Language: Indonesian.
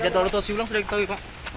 jadwal autopsi ulang sudah ditahui pak